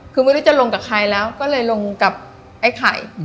คือไม่รู้จะลงกับใครแล้วก็เลยลงกับไอ้ไข่